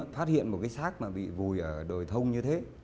phát hiện một cái xác bị vùi ở đồi thông như thế